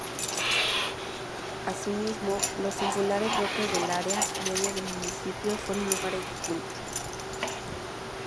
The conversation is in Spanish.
Asimismo, los singulares roques del área media del municipio fueron lugares de culto.